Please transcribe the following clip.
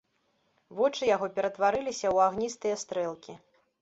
Вочы яго ператварыліся ў агністыя стрэлкі.